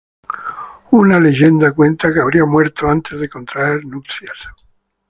Una leyenda cuenta que habría muerto antes de contraer nupcias.